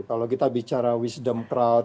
kalau kita bicara wisdom crowd